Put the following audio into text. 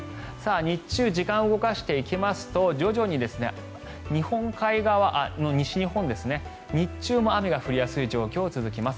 日中、時間を動かしていきますと徐々に日本海側の西日本日中も雨が降りやすい状況が続きます。